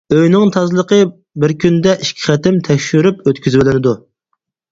ئۆينىڭ تازىلىقى بىر كۈندە ئىككى قېتىم تەكشۈرۈپ ئۆتكۈزۈۋېلىنىدۇ.